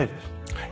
はい。